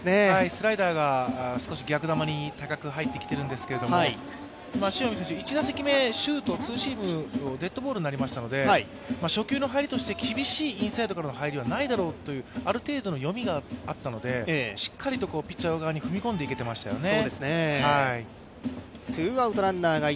スライダーが少し逆球に高く入ってきているんですけれども、塩見選手、１打席目シュート、ツーシーム、デッドボールになりましたので、初球の入りとして厳しいインサイドからの入りはないだろうというある程度の読みがあったので、しっかりとピッチャー側に踏み込んでいけていましたよね。